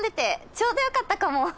ちょうどよかったかも。